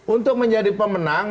untuk menjadi pemenang